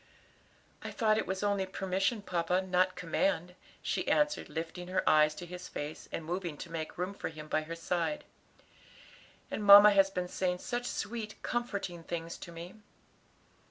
"I thought it was only permission, papa, not command," she answered, lifting her eyes to his face, and moving to make room for him by her side. "And mamma has been saying such sweet, comforting things to me."